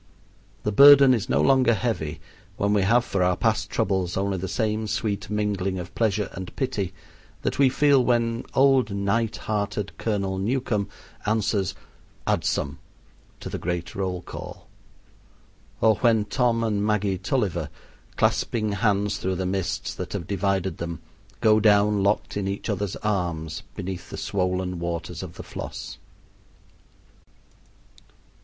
The burden is no longer heavy when we have for our past troubles only the same sweet mingling of pleasure and pity that we feel when old knight hearted Colonel Newcome answers "adsum" to the great roll call, or when Tom and Maggie Tulliver, clasping hands through the mists that have divided them, go down, locked in each other's arms, beneath the swollen waters of the Floss.